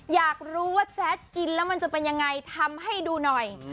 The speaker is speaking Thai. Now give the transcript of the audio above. อยากรู้ว่าแจ๊ดกินแล้วมันจะเป็นยังไงทำให้ดูหน่อย